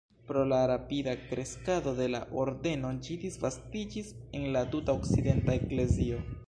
Pro la rapida kreskado de la ordeno ĝi disvastiĝis en la tuta okcidenta eklezio.